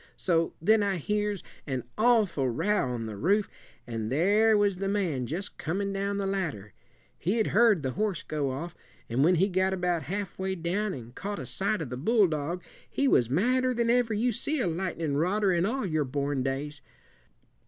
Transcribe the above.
So then I hears an awful row on the roof, and there was the man just coming down the ladder. He'd heard the horse go off, and when he got about half way down an' caught a sight of the bulldog, he was madder than ever you seed a lightnin rodder in all your born days.